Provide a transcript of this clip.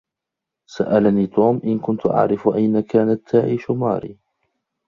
سألني توم إن كنت أعرف أين كانت تعيش ماري.